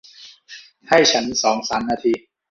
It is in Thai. ให้ฉันสองสามนาที